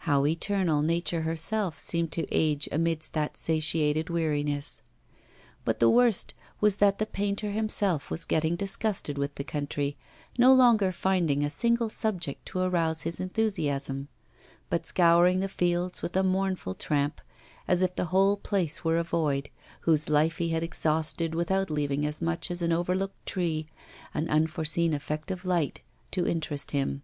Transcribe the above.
How eternal nature herself seemed to age amidst that satiated weariness. But the worst was that the painter himself was getting disgusted with the country, no longer finding a single subject to arouse his enthusiasm, but scouring the fields with a mournful tramp, as if the whole place were a void, whose life he had exhausted without leaving as much as an overlooked tree, an unforeseen effect of light to interest him.